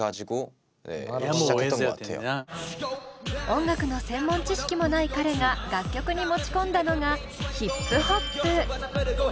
音楽の専門知識もない彼が楽曲に持ち込んだのがヒップホップ。